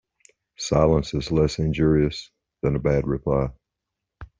Silence is less injurious than a bad reply.